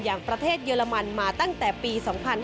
อย่างประเทศเยอรมันมาตั้งแต่ปี๒๕๕๙